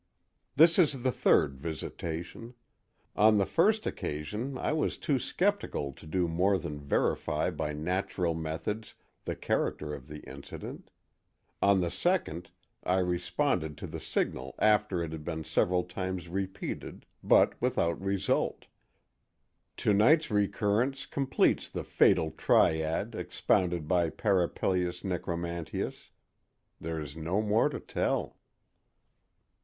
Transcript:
"This is the third visitation. On the first occasion I was too skeptical to do more than verify by natural methods the character of the incident; on the second, I responded to the signal after it had been several times repeated, but without result. To night's recurrence completes the 'fatal triad' expounded by Parapelius Necromantius. There is no more to tell."